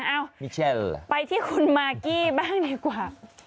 อ้าวไปที่คุณมากกี้บ้างดีกว่า